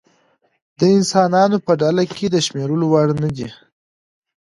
د انسانانو په ډله کې د شمېرلو وړ نه دی.